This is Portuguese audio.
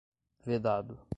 vedado